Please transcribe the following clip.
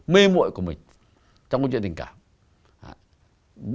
mối mội của mình trong câu chuyện tình cảm